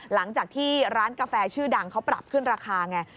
หลังจากที่ร้านกาแฟชื่อดังเขาปรับขึ้นราคาไง